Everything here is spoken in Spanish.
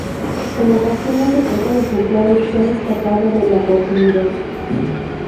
En ocasiones se trata de ejemplares que han escapado de la cautividad.